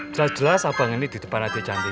jelas jelas abang ini di depan adik cantik